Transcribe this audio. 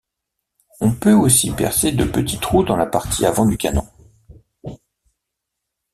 On peut aussi percer de petits trous dans la partie avant du canon.